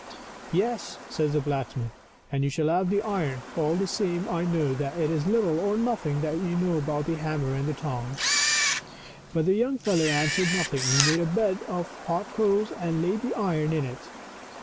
" Yes," says the blacksmith, " you shall have the iron ; all the same I know that it is little or nothing that you know about the hammer and the tongs." THE BEST THAT LIFE HAS TO GIVE. 313 But the young fellow answered nothing. He made a bed of hot coals, and laid the iron in it.